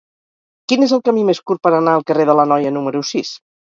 Quin és el camí més curt per anar al carrer de l'Anoia número sis?